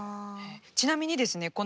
ちなみにですね